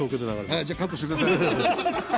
じゃあカットしてください。